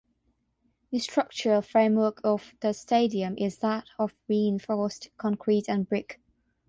The structural framework of the stadium is that of reinforced concrete and brick.